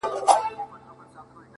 • د بلبل په نوم هیچا نه وو بللی,